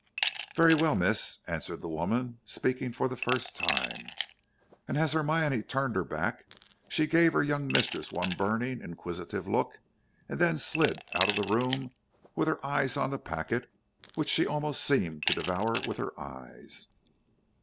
"Very well, Miss," answered the woman, speaking for the first time. And as Hermione turned her back, she gave her young mistress one burning, inquisitive look and then slid out of the room with her eyes on the packet which she almost seemed to devour with her eyes.